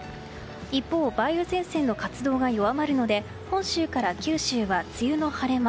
一方、梅雨前線の活動が弱まるので本州から九州は梅雨の晴れ間。